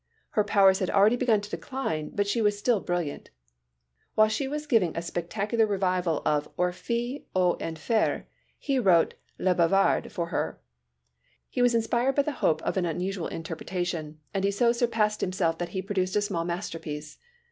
Her powers had already begun to decline but she was still brilliant. While she was giving a spectacular revival of Orphée aux Enfers, he wrote Les Bavards for her. He was inspired by the hope of an unusual interpretation and he so surpassed himself that he produced a small masterpiece.